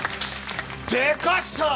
でかした！